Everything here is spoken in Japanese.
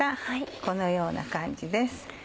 このような感じです。